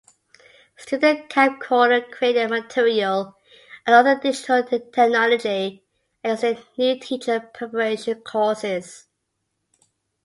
Student camcorder-created material and other digital technology are used in new-teacher preparation courses.